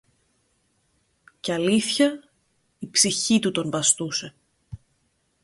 Και αλήθεια, η ψυχή του τον βαστούσε